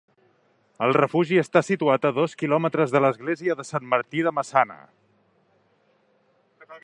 El refugi està situat a dos quilòmetres de l'església de Sant Martí de Maçana.